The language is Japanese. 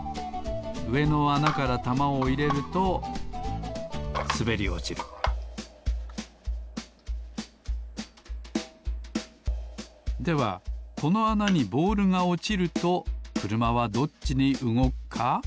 うえのあなからたまをいれるとすべりおちるではこのあなにボールがおちるとくるまはどっちにうごくか？